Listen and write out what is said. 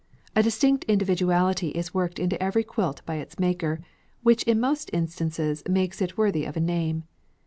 A distinct individuality is worked into every quilt by its maker, which in most instances makes it worthy of a name.